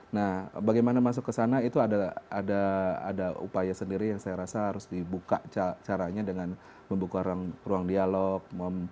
nah bagaimana masuk ke sana itu ada upaya sendiri yang saya rasa harus dibuka caranya dengan membuka ruang dialog